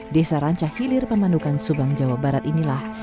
desa rancah hilir pemandukan subang jawa barat inilah